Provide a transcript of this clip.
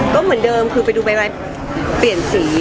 ก็เหมือนเดิมคือไปดูใบเปลี่ยนสี